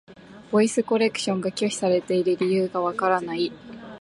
ボイスコレクションが拒否されている理由がわからない。